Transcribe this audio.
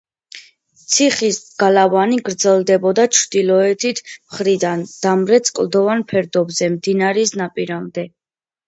ციხის გალავანი გრძელდებოდა ჩრდილოეთით მხრიდან, დამრეც კლდოვან ფერდობზე, მდინარის ნაპირამდე.